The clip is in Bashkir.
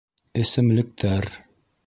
Эсемлектәр